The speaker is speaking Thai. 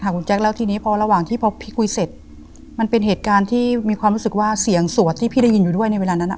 คุณแจ๊คแล้วทีนี้พอระหว่างที่พอพี่คุยเสร็จมันเป็นเหตุการณ์ที่มีความรู้สึกว่าเสียงสวดที่พี่ได้ยินอยู่ด้วยในเวลานั้นอ่ะ